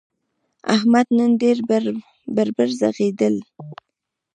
احمد نن ډېر بړ بړ ږغېدل.